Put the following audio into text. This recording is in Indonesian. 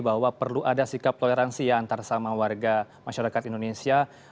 bahwa perlu ada sikap toleransi ya antara sama warga masyarakat indonesia